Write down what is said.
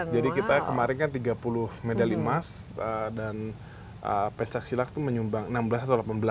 jadi kita kemarin kan tiga puluh medali emas dan pencaksila itu menyumbang enam belas atau delapan belas